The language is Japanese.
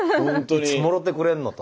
「いつもろうてくれんの」と。